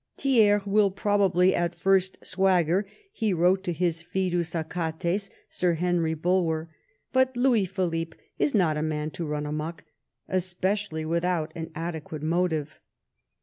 " Thiers will probably at first swagger," he wrote to his ^du8 Achates, Sir Henry Bulwer, "... but Louis Philippe is not a man to run amuck, especially without an adequate motive.''